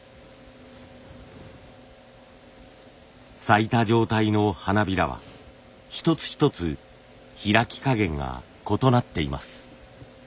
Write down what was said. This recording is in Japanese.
咲いた状態の花びらは一つ一つ開き加減が異なっています。